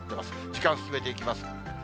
時間進めていきます。